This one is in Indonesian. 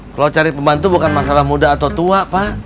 kalau cari pembantu bukan masalah muda atau tua pak